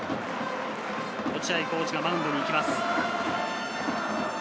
落合コーチがマウンドに行きます。